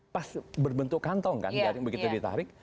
pas berbentuk kantong kan jaring begitu ditarik